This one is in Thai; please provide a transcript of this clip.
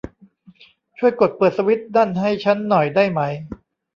ช่วยกดเปิดสวิตซ์นั่นให้ชั้นหน่อยได้ไหม